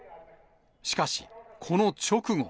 しかし、この直後。